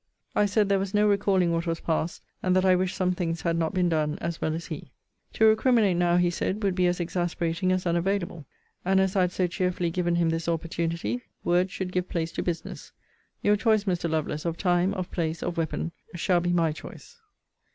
I said there was no recalling what was passed; and that I wished some things had not been done, as well as he. To recriminate now, he said, would be as exasperating as unavailable. And as I had so cheerfully given him this opportunity, words should give place to business. Your choice, Mr. Lovelace, of time, of place, of weapon, shall be my choice.